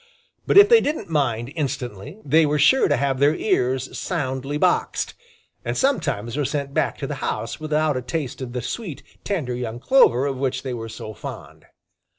But if they didn't mind instantly, they were sure to have their ears soundly boxed, and sometimes were sent back to the house without a taste of the sweet, tender, young clover of which they were so fond.